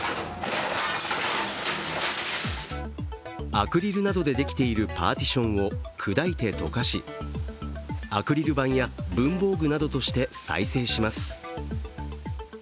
アクリルなどでできているパーティションを砕いて溶かし、アクリル板や文房具などとして再生します。